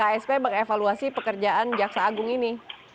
ksp mengevaluasi pekerjaan jaksa agung ini